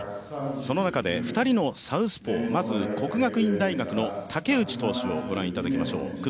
その中で２人のサウスポー、まず国学院大学の武内選手を御覧いただきましょう。